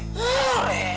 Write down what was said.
oh ya tuhan